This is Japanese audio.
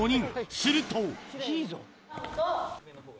すると。